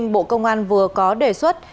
bộ công an vừa có đề xuất